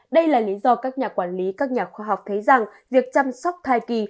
đây là lý do các nhà quản lý các nhà khoa học thấy rằng việc chăm sóc thai kỳ